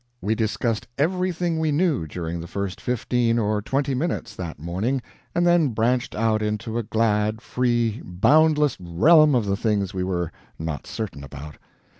We discussed everything we knew, during the first fifteen or twenty minutes, that morning, and then branched out into the glad, free, boundless realm of the things we were not certain about.